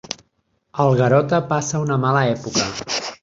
El Garota passa una mala època.